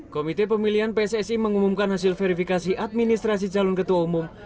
komite pemilihan pssi mengumumkan hasil verifikasi administrasi calon ketua umum